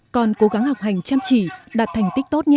con cố gắng học hành chăm chỉ đạt thành tích tốt nhé